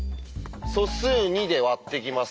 素数２で割っていきます。